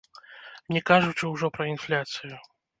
Не кажучы ўжо пра інфляцыю!